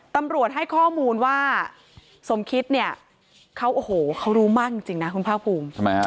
ตำรวจให้ข้อมูลว่าสมคิดเนี่ยเขาโอ้โหเขารู้มากจริงนะคุณภาคภูมิ